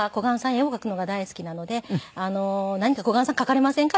絵を描くのが大好きなので「何か小雁さん描かれませんか？